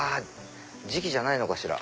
時期じゃないのかしら。